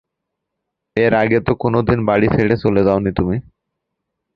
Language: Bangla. এর আগে তো কোনোদিন বাড়ি ছেড়ে চলে যাও নি তুমি।